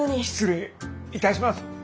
失礼いたします。